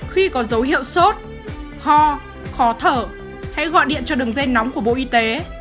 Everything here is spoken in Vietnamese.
khi có dấu hiệu sốt ho khó thở hãy gọi điện cho đường dây nóng của bộ y tế